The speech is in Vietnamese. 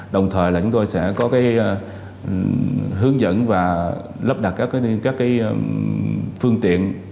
đồng thời là chúng tôi sẽ có hướng dẫn và lắp đặt các phương tiện